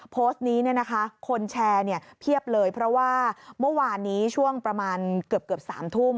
โพสต์นี้คนแชร์เพียบเลยเพราะว่าเมื่อวานนี้ช่วงประมาณเกือบ๓ทุ่ม